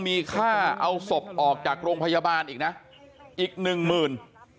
มีค่าเอาศพออกจากโรงพยาบาลอีกนะอีกหนึ่งหมื่น